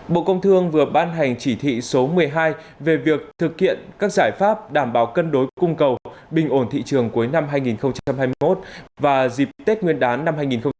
bộ công thương vừa ban hành chỉ thị số một mươi hai về việc thực hiện các giải pháp đảm bảo cân đối cung cầu bình ổn thị trường cuối năm hai nghìn hai mươi một và dịp tết nguyên đán năm hai nghìn hai mươi bốn